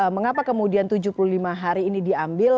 mengapa kemudian tujuh puluh lima hari ini diambil